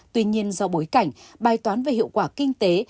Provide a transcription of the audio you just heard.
tuy nhiên do bối cảnh bài toán về hiệu quả kinh tế